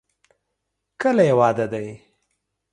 کله یې واده دی؟